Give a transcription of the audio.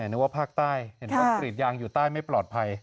นึกว่าภาคใต้เห็นว่ากรีดยางอยู่ใต้ไม่ปลอดภัย